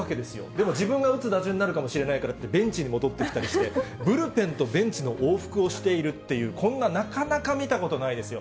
でも自分が打つ打順になるかもしれないからって、ベンチに戻ってきたりして、ブルペンとベンチの往復をしているっていう、こんななかなか見たことないですよ。